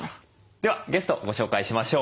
ではゲストご紹介しましょう。